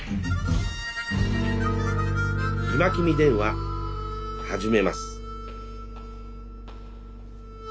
「今君電話」始めます。